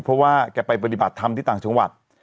เพราะว่าแกไปปฏิบัติธรรมดิต่างธุ์ฉุนวัตดิ์